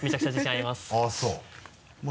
あぁそう。